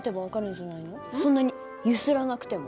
そんなに揺すらなくても。